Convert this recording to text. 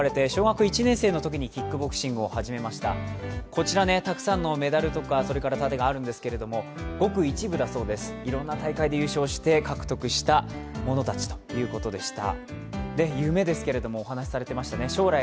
こちらね、たくさんのメダルとか盾とかあるんですけどごく一部だそうです、いろんな大会で優勝して獲得したものたちということでした。